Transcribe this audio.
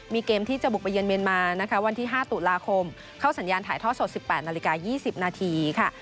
มีเกมที่จะบุกไปเยือนเมียนมานะคะวันที่๕ตุลาคมเข้าสัญญาณถ่ายทอดสด๑๘นาฬิกา๒๐นาทีค่ะ